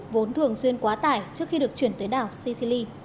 vốn thường xuyên quá tải trước khi được chuyển tới đảo sicili